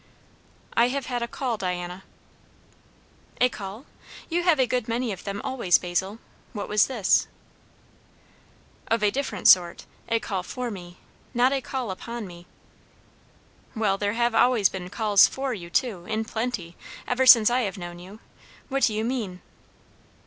"I have had a call, Diana." "A call? You have a good many of them always, Basil. What was this?" "Of a different sort. A call for me not a call upon me." "Well, there have always been calls for you too, in plenty, ever since I have known you. What do you mean?"